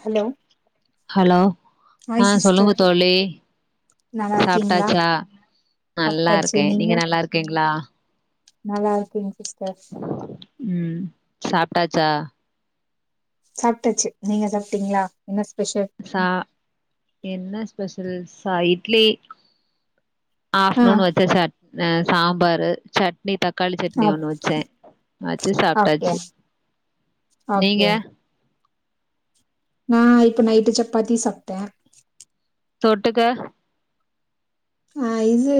Hello hello hi அ சொல்லுங்க sister தோழி நல்லா இருக்கீங்களா சாப்ட்டாச்சா சாப்ட்டாச்சு நல்லாருக்கே நீங்க நல்லாருக்கீங்ளா நல்லாருக்கேங்க சிஸ்டர் ம் சாப்ட்டாச்சா சாப்ட்டாச்சி நீங்க சாப்ட்டீங்ளா சா என்ன ஸ்பெஷல் சா இட்லி ஆ ஆஃப்டநூன் வெச்ச சட் சாம்பாரு சட் னி தக்காளி சட்னி ஒண்ணு வெச்சே வெச்சி ஓகே சாப்ட்டாச்சி நீங்க ஓகே நா இப்ப நைட்டு சப்பாத்தி சாப்ட்ட தொட்டுக்க அ இது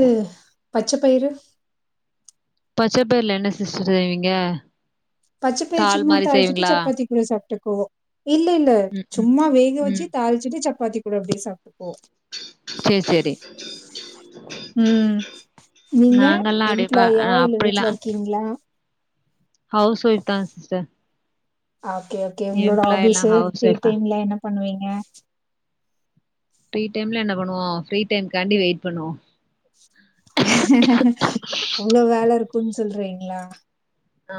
பச்ச பயிறு பச்ச பயிறுல என்ன சிஸ்டர்‌ செய்வீங்க பச்ச பயாறு தால் சும்மா மாரி தாளிச்சிட்டு செய்வீங்களா சப்பாத்தி கூட சாப்ட்டுக்குவோ இல்ல இல்ல ம் ம் சும்மா வேக வெச்சி தாளிச்சிட்டு சப்பாத்தி கூட அப்டியே சாப்ட்டு செரி செரி ம் நீங்க நாங்கல்லா அப்டிப்பா அ எம்ப்ளாயா இல்ல வீட்ல அப்டிலா இருக்கீங்ளா ஹவுஸ் வைஃப் தா சிஸ்டர் அ ஓகே ஓகே உங்களோட எம்ப்ளாய் எல்லா ஹாபீஸ்ஸு ஹவுஸ் ஃப்ரீ ஒய்ஃப் தா டைம்ல என்ன பண்ணுவீங்க ஃப்ரீ டைம்ல என்ன பண்ணுவோ ஃப்ரீ டைம்க்காண்டி வெயிட் பண்ணுவோ அவ்ளோ வேல இருக்குன்னு சொல்றீங்ளா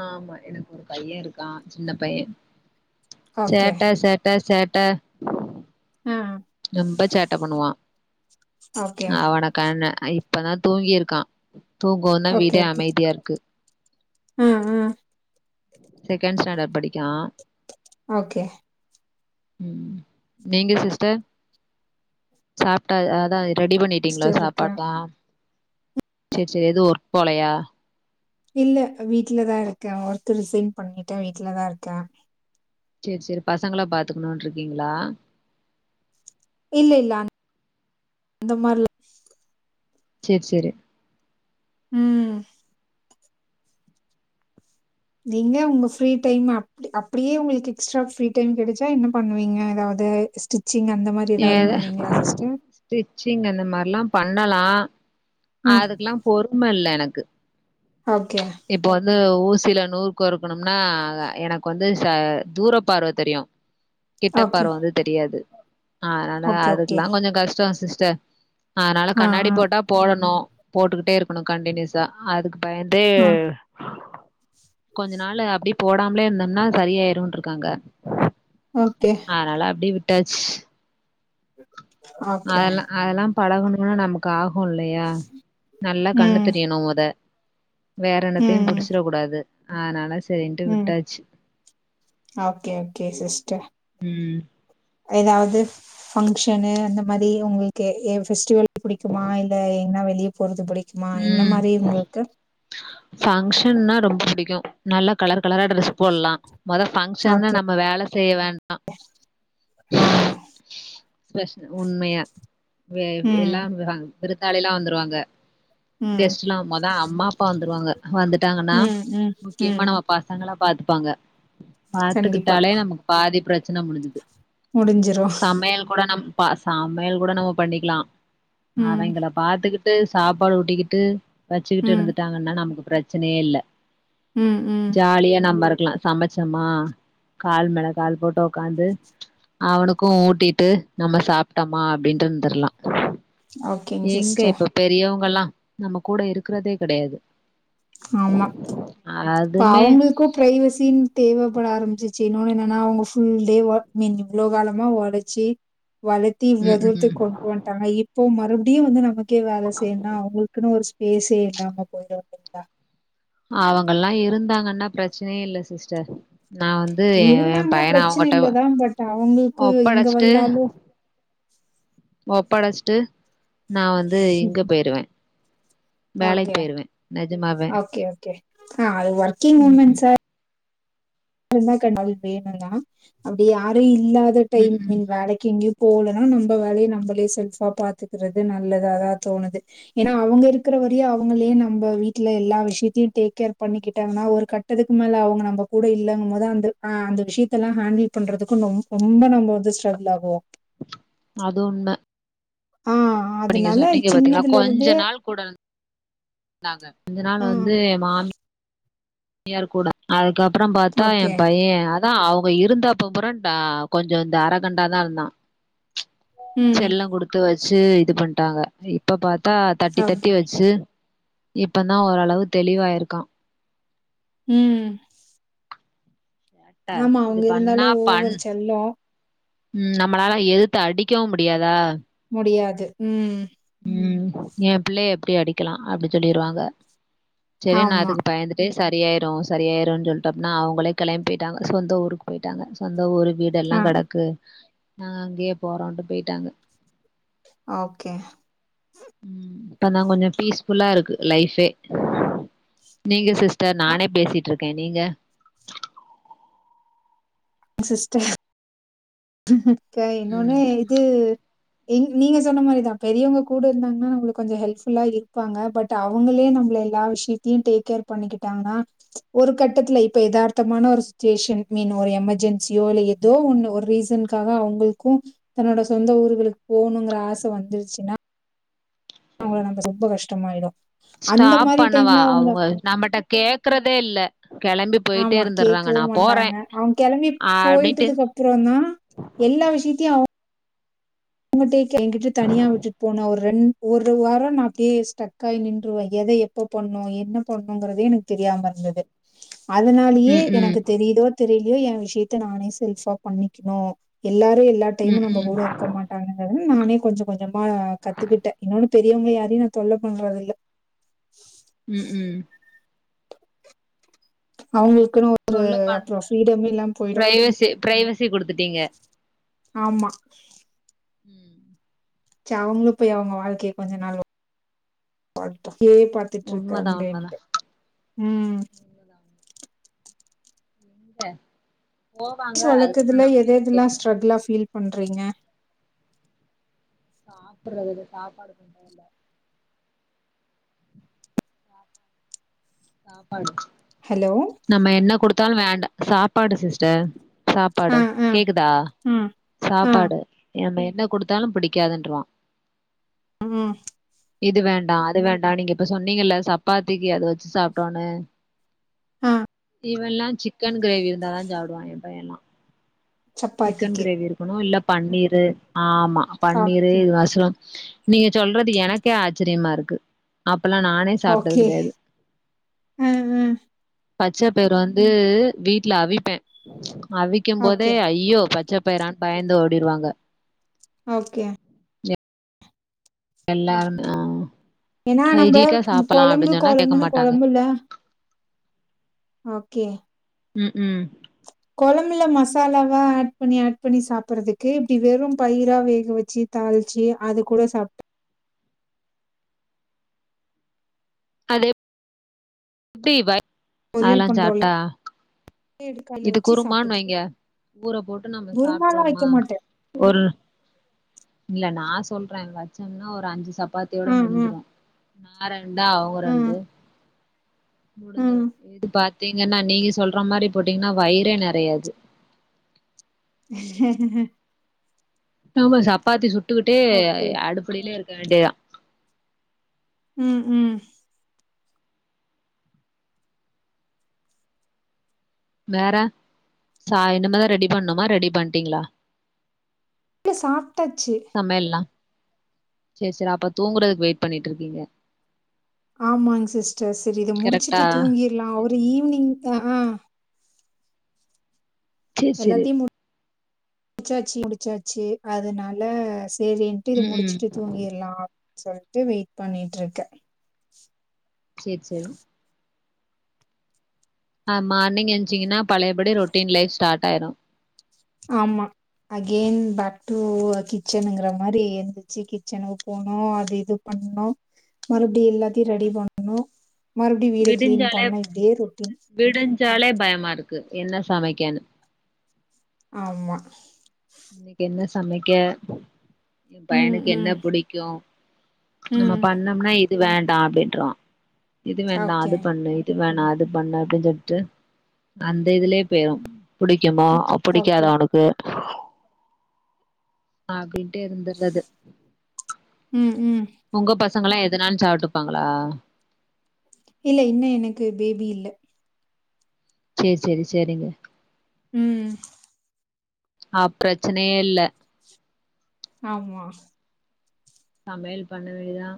ஆமா இருக்கு ஒரு பைய இருக்கா சின்ன பைய ஓகே சேட்ட சேட்ட சேட்ட அ ஆ ரொம்ப சேட்ட பண்ணுவா ஓகே அவன கண்னு இப்பதா தூங்கியிருக்கா தூங்கவு தா வீடே அமைதியா இருக்கு அ அ செகண்டு ஸ்டேண்டட் படிக்கிறா ஓகே ம் நீங்க சிஸ்டர் சாப்ட்டா அதா ரெடி பண்ணிட்டீங்ளா சிஸ்டர் இருக்கு சாப்பாடுலா செரி செரி எது ஒர்க் போலையா இல்ல வீட்டுலதா இருக்க ஒர்க் ரிசைன் பண்ணிட்ட வீட்டு்லதா இருக்கே சேர் சேரி பசங்கள பாத்துக்கணுனு இருக்கீங்ளா இல்ல இல்ல அந்த அந்த மாரிலா சேர் சேரி ம் நீங்க உங்க ஃப்ரீ டைமு அப்டியே உங்ளுக்கு எக்ஸ்ட்ரா ஃப்ரீ டைம் கெடச்சா என்ன பண்ணுவீங்க எதாவ்து து ஸ்டிச் ஏது ஸ்டிச்சிங் அந்த மாரிலா பண்ணலா ம் அதுக்கெல்லா பொறும இல்ல எனக்கு ஓகே இப்போ வந்து ஊசியில நூல் கோர்க்கணும்னா எனக்கு வந்து ச தூரப்பார்வ தெரியு ஓகே கிட்டப்பார்வ வந்து தெரியாது அதனால ஓகே ஓகே அதுக்கெல்லா கொஞ்சோ கஷ்டோ சிஸ்டர் அதனால ஆ கண்ணாடி ஆ போட்டா போடணு போட்டுகிட்டே இருக்கணு கண்டினுஸா அதுக்கு பயந்தே ஆ அ கொஞ்ச நாளு அப்டி போடாமலே இருந்தம்ன்னா சரியாயிடும்னு இருக்காங்க ஓகே அதனால அப்டியே வி விட்டாச் ஓகே அதெல்லா அதெல்லா பழகணுன்னா நமக்கு ஆகு யுல்லயா நல்லா கண்ணு ம் தெரியணு மொத வேற என்னத்தையு ம் புடிச்சிட கூடாது அதுனால ம் ஓகே ஓகே சிஸ்டர் ம் எதாவ்து பங்ஷனு அந்த மாரி உங்ளுக்கு ஏ பெஸ்டிவல் புடிக்குமா இல்ல எங்கனா வெளிய போறது புடிக்குமா என்ன மாரி உங்ளுக்கு பங்க்ஷன்னா ரொம்ப புடிக்கு நல்லா கலர் கலரா ட்ரெஸ் போட்லா மொதல்ல பங்க்ஷன்னா ஓகே நம்ம வேல செய்ய வேண்டா அ ஸ்பெஷ உண்மையா ம் எல்லா விருந்தாளில்லா வந்துருவாங்க ம் கெஸ்ட்லா அ மொத அம்மா அப்பா வந்துருவாங்க வந்துட்டாங்கன்னா ம் ம் முக்கியமா ம் நம்ம பசங்கள பாத்துப்பாங்க கண்டிப்பா பாத்துக்கிட்டாலே நமக்கு பாதி பிரச்சன முடிஞ்சது முடிஞ்சிரு சமையல் கூட நம்ம சமையல் கூட நம்ம பண்ணிக்கலா ம் அவைங்கள பாத்துக்கிட்டு சாப் சாப்பாடு ஊட்டிக்கிட்டு வெச்சுக்கிட்டு ம் இருந்துட்டாங்கன்னா நமக்கு பிரச்சனையே இல்ல ம் ம் ஜாலியா நம்ப இரு இருக்லா சமச்சமா கால் மேல கால் போட்டு உக்காந்து அவனுக்கு ஊட்டிட்டு நம்ம சாப்டோமா அப்டின்ட்டு இருந்துரலா ஓகேங் எங்க சிஸ்டர் இப்ப பெரியவங்கல்லா நம்ம கூட இருக்கிறதே கெடையாது ஆமா இப்ப அதுமே அவங்களுக்கு பிரைவசின்னு தேவப்பட ஆரம்பிச் சு இன்னொன்னு என்னன்னா அவுங்க புல் டே ஒர்க் மீன் இவ்ளோ காலமா ஒழச்சி வளத்தி இவ்ளோ ம் ம் தூரத்திக்கி கொண்டு வட்டாங்க இப்போ மறுபடியு வந்து நம்ம கே வேல செய்னுனா அவுங்குள்குனு ஒரு ஸ்பேஸே இல்லாம போய்ரு இல்லைங்ளா அவங்கல்லா இருந்தாங்கன்னா ப்ரச்சனயே இல்ல சிஸ்டர் நா வந்து எ எ இருந்தாங்கனா பையன ப்ரச்சன அவங்கட்ட இல்லதா பட் அவங்கள்கு இங்க ஒப்படச்சிட்டு வந்தாலு ஒப்படஸ்டு நா வந்து இங்க போய்ருவே வேலைக் ஓகே போய்ருவேன் ஓகே ஓகே அ அது ஒர்கிங் ம் உமன் சார் கண்டாவீக் வேணுதா அப்டி யாரு இல்லாத டைம் ம் மீன் ம் வேலைகி எங்யு போலனா நம்ப வேலைய நம்பளே செல்ஃபா பாத்துக்கறது நல்லதாதா தோணுது ஏனா அவுங்க இருக்குற வரியா அவுங்களே நம்ப வீட்ல எல்லா விஷயத்தியு டேக் கேர் பண்ணிக்கிட்டாங்கனா ஒரு கட்டதுகு மேல அவுங்க நம்ம கூட இல்ல மொத அந்த ஆ அந்த விஷயத்தலா ஹேண்டில் பண்றதுக்கு ரொம் ரொம்ப நம்ப வந்து ஸ்ட்ரகுள் ஆவோ அது உண்ம ஆ இப்ப நீங்க அதனால சொன்னீங்க பாத்தீங்ளா சின்னதுல இருந்தே கொஞ்ச நாள் கூட தாங்க கொஞ்ச நாள் ஆ வந்து எ மாமி யார் கூட அதுகப்றோ பாத்தா எ ஓகே பைய யார் தா அவுங்க இருந்தப்பபறோ டா கொஞ்சோ இந்த அரகண்டாதா இருந்தா ம் செல்லொ குடுத்து வெச்சு இது பண்டாங்க இப்ப பாத் தா தட்டி தட்டி ஓகே. வெச்சு இப்பதா ஓரளவு தெளிவாயிருக்கா ம் என்ட ஆமா. இது அவங்க பண்ணா இருந்தாலும் பண் ஓவர் செல்லம் ம் நம்மளால எதுத்து அடிக்கவு முடியாதா முடியாது ம் ம் எ பிள்ளைய எப்டி அடிகலா அப்டி சொல்லிருவாங்க செரியா நா ஆமா. அதுக்கு பயந்துட்டே சரியாய்ரு சரியாய்ருன் சொல்டோம்னா அவுங்களே கெளபி போய்டாங்க சொந்த ஊருக்கு போய்டாங்க சொந்த ஊருக் வீடெல்லா ஆ. கடக்கு நாங்க அங்யே போறோன்டு போய்டாங்க ஓக்கே ம் இப்பதா கொஞ்சோ பீஸ்ஃபுல்லாருக்கு லைஃபே நீங்க சிஸ்டர் அ நானே பேசிட்ருக் கே நீங்க சிஸ்டர் க இன்னோனு ம் இது ங் நீங்க சொன்ன மாரிதா பெரியவங்க கூட இருந்தாங்னா நம்ளுக் கொஞ்சோ ஹெல்ப்ஃபுல்லா இருப்பாங்க பட் அவங்களே நம்பள எல்லா விஷயத்தியு டக்கேர் பண்ணிகிட்டாங்கனா ஒரு கட்டத்துல இப்ப எதார்தமான ஒரு சுச்சுவேஷன் இன்னொரு எமர்ஜென்சியோ இல்ல எதோ ஒன்னு ஒர் ரீ சன்காக அவுங்குள்கு தன்னோட சொந்த ஊர்களுக் போணுங்கற ஆச வந்துருச்சுனா அவுங்ள நம்ம ரொம்ப கஷ்டமாய்டு ஸ்டாப் பண்ணவா அவுங்க நம்மட்ட கேக்கறதே இல்ல கெளம்பி போயிட்டே ஆமா இருந்துர்றாங்க கேகவு நா போறே மாட்டாங்க அவுங்க கிளம்பி ஆ அப்டின்ட்டு போய்டதுக்கு அப்புறோதா எல்லா விஷயத்தியு அவ் ங்கிட்டயே கே எங்கிட்ட தனியா விட்டுட் போன ஒரு ரெண் ஒரு வாரொ நா அப்டியே ஸ்டக்காய் நின்றுவிட எ து எப்ப பண்ணு என்ன பண்ணுங்கற்தே எனக் தெரியாம இருந்தது அதுனாலயே ம் ம் எனக்கு தெரிதோ தெரிலையோ எ விஷயத்த நானே செல்ஃபா பண்ணிகணு எல்லாரு எல்லா ம் டைமும் நம்ப ம் கூட இருக்க மாட் ம் நானே கொஞ்சோ கொஞ்சோமா கத்துகுட்டே இன்னொன்னு பெரியவுங்க யாரையு நா தொல்ல பண்றது இல்ல ம் ம் அவுங்குள்குனு ஒரு சொல்லுப்பா அப்றோ ஃரீடம் இல்லாம போய்டு டி குடுத்துட்டீங்க ஆமா ம் ஜம்னு போய் அவுங்க வாழ்கைய கொஞ்சோ நாள் ஓட்டு ஏ உண்மதா பாத்துட்ருக்காங்ளேன்டு உண்மதா ம் ட்ட பஸ் வள்கதுல எத எதெல்லா ஸ்ட்ரகுளா ஃபீல் பண்றீங்க சாப்புறது இல் சாப்பாடு பண் இல்ல சாப்பாடு ஹலோ நம்ம என்ன குடு த்தாலு வேண்டா சாப்பாடு சிஸ்டர் ஆ சாப்பாடு ஆ கேக்குதா ஆ ஆ சாப்பாடு எமே என்ன குடுத்தாலு பிடிக்காதுன்றவா ம் இது வேண்டா அது வேண்டா நீங்க இப்ப சொன்னீங்கல்ல சப்பாத்திக்கு அது வச்சு சாப்ட்டோனு ஆ இவன்ல்லா சிக்கன் கிரேவி இருந்தாதா சாடுவா ஏ பையன்ல்லா சிக்கன் சப்பாத்திக்கு கிரேவி இருக்கணு இல்ல பன்னீரு ஆ ஆமா பன்னீரு ஓகே இது மாசல்ல நீங்க சொல்றது எனக்கே ஆச்சரியமா இருக்கு அப் அப்பில்லா நானே சாப்ட்டது ஓகே கெடையாது ஆ ஆ பச்சை பேரு வந்து வீட்ல அவிப்பே அவிக்கும் போதே ஓகே ஐ பச்ச பயிரான் பயந்து ஓடிருவாங்க ஓகே எல்லாருமே ஆ ஏன்னா நம்ம ஹைஜீக்கா சாப்பலா கொழம்பு அப்டின்னு சொன்னா கேக்க கொழம்புன்னு மாட்டாங்க கொழம்புல ஓகே ம் ம் கொழம்புல மசாலாவா ஆட் பண்ணி ஆட் பண்ணி சாப்பறதுக்கு இப்டி வெறு பயிரா வேக வச்சு தாளிச்சி அது கூட சாப் அதெப் டி அதல்லா பொரியல் பண்றோல சாப்ட்டா எடுத்து கைல இது வச்சு குருமான் சாப்ட்டுக்குறது வைங்க ஊர போட்டு நம்ம குருமாலா வைக்க சாப்ட்டுறோமா மாட்டே ஒரு இல்ல நா சொல்றே அச்சன்னா ஒரு அஞ்சு சப்பாத்தியோட ஆ ஆ முடிஞ்சிடு நாரா ரெண்டா அவங்க ஆ ரெண்டு ஆ முடிஞ்சிடு இது பாத்தீங்கன்னா நீங்க சொல்ற மாரி போட்டீங்கன்னா வயிறே நெறையாது ஆமா சப்பாத்தி சுட்டுக்கிட்டே ஓகே. அடுப்படியிலயே இருக்க வேண்டியதா ம் ம் வேற சா இனிமதா ரெடி பண்ணமா ரெடி பண்ட்டீங்களா இ சாப்ட்டாச்சு சமையல்லா சேரி சேரி அப்ப தூங்குறதுக்கு வெயிட் பண்ணிட்ருக்கீங்க ஆமாங்க சிஸ்டர் சரி இத கரெக்டா முடிச்சுட்டு தூங்கிரலா அவரு ஈவினிங் ஆ ஆ சேரி சரி எல்லாத்தையும் முடிச்சாச்சு முடிச்சாச்சு அதனால சேரின்ட்டு இத ம் ம் முடிச்சுட்டு தூங்கிறலா அப்டின்னு சொல்ட்டு வெயிட் பண்ணிட்ருக்கே சேரி செரி ஆ மார்னிங் என்சிங்கன்னா பழையபடி ரொட்டீன் லைஃப் ஸ்டார்ட்டாயிடு ஆமா அகென் பேக் டு கிச்சனுங்கற மாரி எந்தச்சு கிச்சனுகு போனு அது இது ப பும் மறுபடி எல்லாத்தையு ரெடி பண்ணு மறுபடியு வீட கிளீன் பண்ணு இப்டியே ரொட்டீன் சாலே பயமா இருக்கு என்ன சமைக்கனு ஆமா இன்னைக்கு என்ன சமைக்க ஏ ம், பையனுக்கு என்ன ம், பிடிக்கு நம்ம ம். பண்ணம்னா இது வேண்டா அப்படின்றா இது வேண்டா ஓகே, அது பண்ணு இது வேணா அது பண்ணு அப்டின் சொல்ட்டு அந்த இதுலயே போயி புடிக் எமா ஓகே. புடிக்காத உனக்கு அப்டின்ட்டே இருந்திடறது ம், ம். உங்க பசங்கல்லா எதுனாலு சாப்ட்டுப்பாங்ளா இல்ல இன்னு எனக்கு பேபி இல்ல சேரி சேரி சேரிங்க ம் அ பிரச்சனையே இல்ல ஆமா சமையல் பண்ணவேதா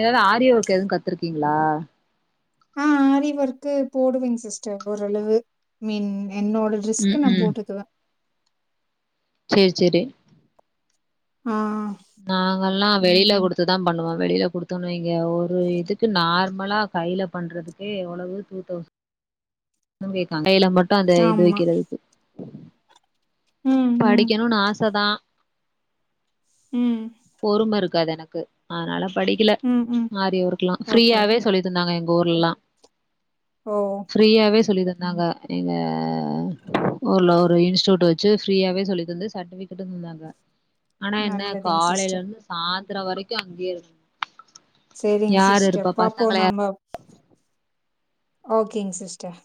எதாவது ஆரிய ஒர்க் எது கத்துருக்கீங்ளா ஆ ஆரிவொர்க்கு போடுவேங் சிஸ்டர் ஓரளவு மின் என்னோட ம் டுரெஸ்க்கு நா ம் போட்டுக்குவே சேரி சேரி ஆ நாங்கல்லா வெளில குடுத்துதான் பண்ணுவான் வெளில குடுத்தோ வைங்க ஒரு இதுக்கு நார்மலா கைல பண்றதுக்கே எவ்ளவு டூ தௌசன் [unintelligible] இந்த கைல மட்டு அந்த இது ஆமா. வெக்கிறதுக்கு ம், ம், படிக்கணுனு ஆசதா ம் க்காது எனக்கு அதனால படிக்கல ம், ம். ஆரி வொர்க்லா ஓகே, ஃப்ரீயாவே ஓகே. சொல்லி தந்தாங்க போர்ல்லா ஓ! ஃப்ரீயாவே சொல்லி தந் தாங்க எங்க ஊர்ல ஒரு இன்ஸ்டியூட் வெச்சு ஃப்ரீயாவே சொல்லி தந்து சர்டிஃபிக்கேட்டு தந்தாங்க ஆனா என்ன நல்லதுங்க சிஸ்டர். காலேலுந்து சாய் ந்தர வரைக்கு அங்கேயே இரு சேரிங் சிஸ்டர் பாப்போ நாம ஓகேங் சிஸ்டர்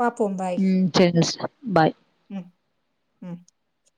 பாப்போ பாய் ம் சேரிங்க சிஸ்டர் பாய் ம்